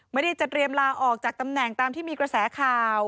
ไม่ได้จะเตรียมลาออกจากตำแหน่งตามที่มีกระแสข่าว